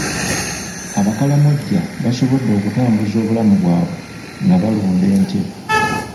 Abakalamojja basobodde okutambuza obulamu bwabwe nga balunda ente.